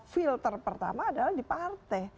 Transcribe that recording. filter pertama adalah di partai